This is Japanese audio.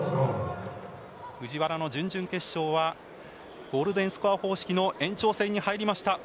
藤原の準々決勝はゴールデンスコア方式の延長戦に入りました。